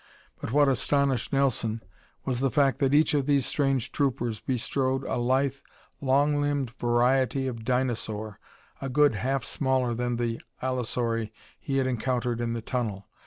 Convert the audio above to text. But what astonished Nelson was the fact that each of these strange troopers bestrode a lithe, long limbed variety of dinosaur, a good half smaller than the allosauri he had encountered in the tunnel.